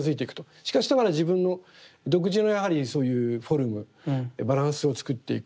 しかしながら自分の独自のやはりそういうフォルムバランスをつくっていく。